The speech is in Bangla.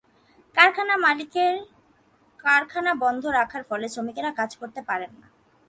কারখানা মালিকেরা কারখানা বন্ধ রাখার ফলে শ্রমিকেরা কাজ করতে পারেন না।